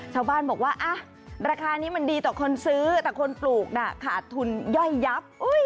ชาวบ้านบอกว่าราคานี้มันดีต่อคนซื้อแต่คนปลูกน่ะขาดทุนย่อยยับ